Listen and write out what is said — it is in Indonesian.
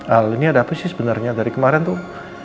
hal ini ada apa sih sebenarnya dari kemarin tuh